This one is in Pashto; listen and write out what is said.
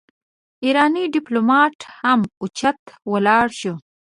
ايرانی ډيپلومات هم اوچت ولاړ شو.